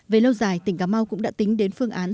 về lâu dài tỉnh cà mau cũng đã tính đến phương án